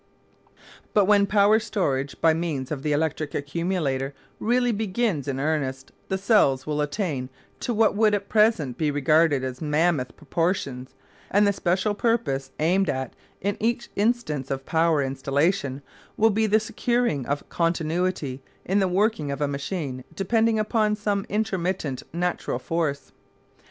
But when power storage by means of the electric accumulator really begins in earnest the cells will attain to what would at present be regarded as mammoth proportions; and the special purpose aimed at in each instance of power installation will be the securing of continuity in the working of a machine depending upon some intermittent natural force.